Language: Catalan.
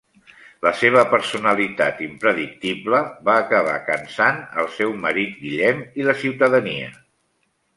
La seva personalitat impredictible va acabar cansant el seu marit Guillem i la ciutadania.